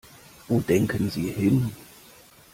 Wo denken Sie hin?